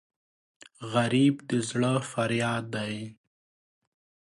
غریب د زړه فریاد دی